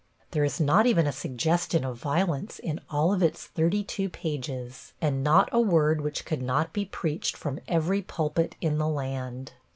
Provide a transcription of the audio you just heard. There is not even a suggestion of violence in all of its thirty two pages, and not a word which could not be preached from every pulpit in the land.